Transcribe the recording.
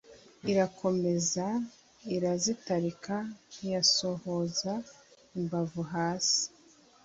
Irakomeza irazitarika :Ntiyasohoza imbavu hasi !